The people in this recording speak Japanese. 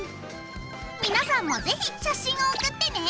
皆さんもぜひ写真を送ってね！